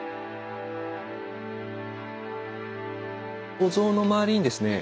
お像の周りにですね